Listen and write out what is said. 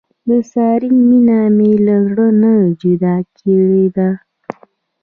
د سارې مینه مې له زړه نه جدا کړې ده.